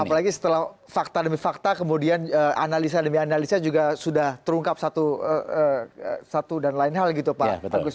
apalagi setelah fakta demi fakta kemudian analisa demi analisa juga sudah terungkap satu dan lain hal gitu pak agus